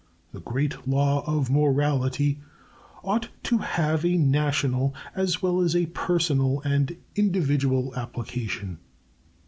The great law of morality ought to have a national as well as a personal and individual application.